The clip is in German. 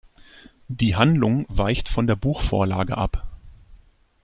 Die Handlung weicht von der Buchvorlage ab.